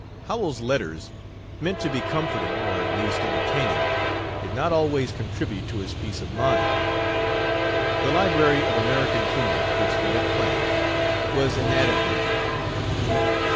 Howells's letters, meant to be comforting, or at least entertaining, did not always contribute to his peace of mind. The Library of American Humor which they had planned was an added burden.